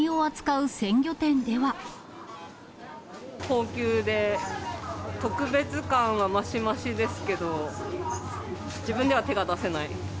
高級で、特別感は増し増しですけど、自分では手が出せない。